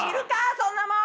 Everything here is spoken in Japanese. そんなもん！